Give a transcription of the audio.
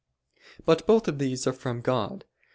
But both of these are from God.